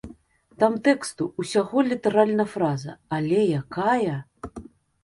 Там тэксту ўсяго літаральна фраза, але якая!